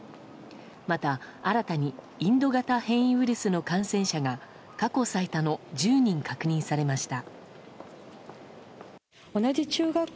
また、新たにインド型変異ウイルスの感染者が過去最多の１０人確認されました。